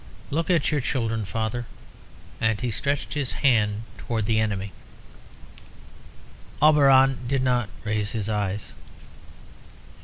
Look at your children, father!" and he stretched his hand out towards the enemy. Auberon did not raise his eyes.